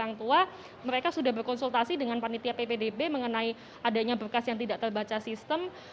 saya mau wawancar salah satu orang tua mereka sudah berkonsultasi dengan panitia ppdb mengenai adanya berkas yang tidak terbaca sistem